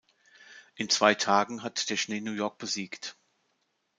In zwei Tagen hat der Schnee New York besiegt.